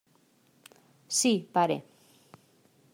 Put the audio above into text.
Sí, pare.